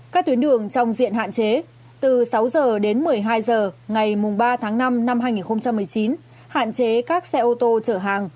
các tuyến đường trong diện hạn chế từ sáu h đến một mươi hai h ngày ba tháng năm năm hai nghìn một mươi chín hạn chế các xe ô tô chở hàng